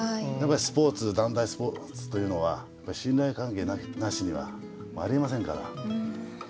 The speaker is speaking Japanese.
やっぱりスポーツ団体スポーツというのは信頼関係なしにはありえませんから。